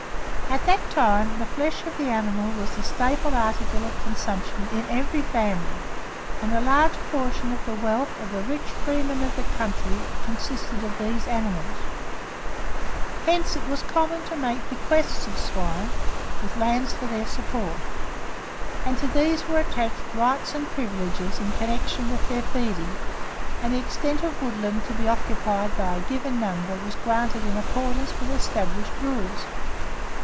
At that time, the flesh of the animal was the staple article of consumption in every family, and a large portion of the wealth of the rich freemen of the country consisted of these animals. Hence it was common to make bequests of swine, with lands for their support; and to these were attached rights and privileges in connection with their feeding, and the extent of woodland to be occupied by a given number was granted in accordance with established rules.